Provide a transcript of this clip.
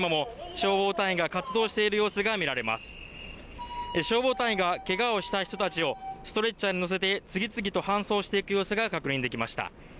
消防隊員がけがをした人たちをストレッチャーに乗せて次々と搬送していく様子が確認できました。